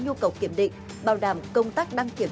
nhu cầu kiểm định bảo đảm công tác đăng kiểm